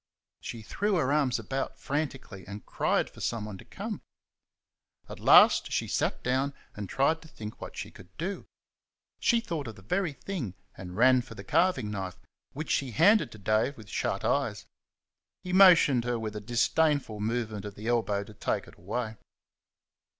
She threw her arms about frantically and cried for someone to come. At last she sat down and tried to think what she could do. She thought of the very thing, and ran for the carving knife, which she handed to Dave with shut eyes. He motioned her with a disdainful movement of the elbow to take it away.